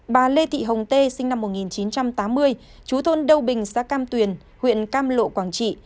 bà lê thị hồng tê sinh năm một nghìn chín trăm tám mươi chú thôn đông bình xã cam tuyền huyện cam lộ quảng trị